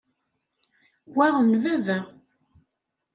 Wa n baba.